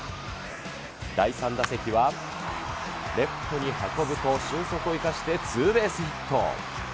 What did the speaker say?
第３打席はレフトに運ぶと、俊足を生かしてツーベースヒット。